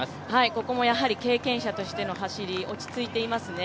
ここもやはり経験者としての走り、落ち着いていますね。